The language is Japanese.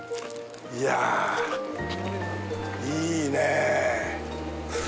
いやぁ、いいねぇ。